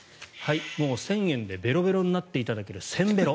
もう１０００円でべろべろになっていただけるせんべろ。